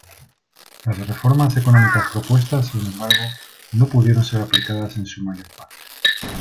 Las reformas económicas propuestas, sin embargo, no pudieron ser aplicadas en su mayor parte.